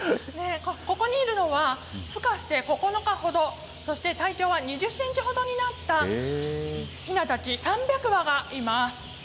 ここにいるのはふ化して９日ほどそして体長は２０センチほどになったひなたち、３００羽がいます。